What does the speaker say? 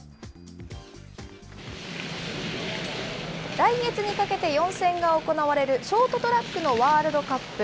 来月にかけて４戦が行われるショートトラックのワールドカップ。